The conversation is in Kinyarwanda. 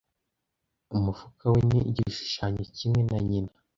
Umufuka we ni igishushanyo kimwe na nyina.